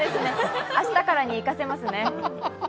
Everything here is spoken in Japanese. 明日からに生かせますね。